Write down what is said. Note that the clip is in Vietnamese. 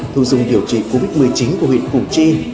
thu dùng điều trị covid một mươi chín của huyện phủ chi